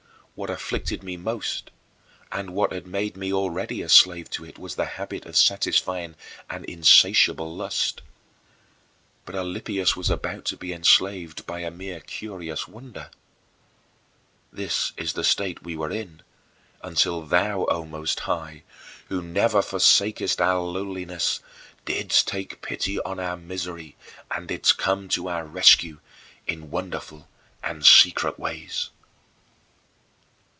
What afflicted me most and what had made me already a slave to it was the habit of satisfying an insatiable lust; but Alypius was about to be enslaved by a merely curious wonder. This is the state we were in until thou, O Most High, who never forsakest our lowliness, didst take pity on our misery and didst come to our rescue in wonderful and secret ways.